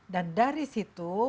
dan dari situ